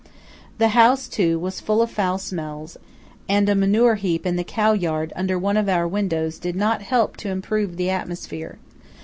The house, too, was full of foul smells; and a manure heap in the cow yard under one of our windows did not help to improve the atmosphere.